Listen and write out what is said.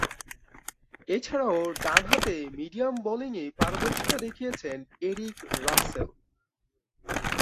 এছাড়াও, ডানহাতে মিডিয়াম বোলিংয়ে পারদর্শীতা দেখিয়েছেন এরিক রাসেল।